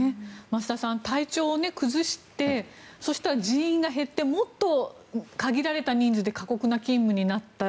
増田さん、体調を崩してそしたら人員が減ってもっと限られた人数で過去な勤務になって。